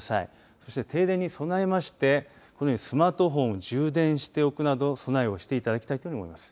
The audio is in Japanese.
そして停電に備えましてこのようにスマートフォンを充電しておくなど備えをしていただきたいと思います。